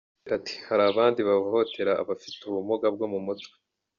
Yagize ati “Hari abandi bahohotera abafite ubumuga bwo mu mutwe.